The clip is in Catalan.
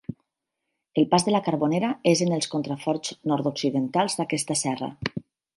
El Pas de la Carbonera és en els contraforts nord-occidentals d'aquesta serra.